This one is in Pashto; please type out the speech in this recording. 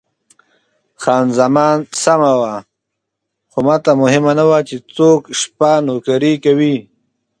خان زمان سمه وه، خو ماته مهمه نه وه چې څوک شپه نوکري کوي.